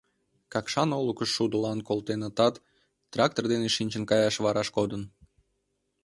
— Какшан олыкыш шудылан колтенытат, трактор дене шинчын каяш вараш кодын.